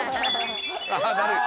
ああっだるい！